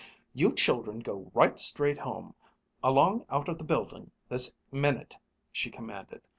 "You children go right straight home, along out of the building this minute," she commanded.